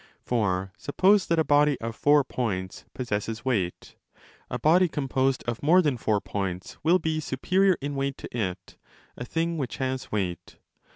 For suppose that a body of four points possesses weight. A body composed of more than four points! will be superior in weight to it, a thing which has weight.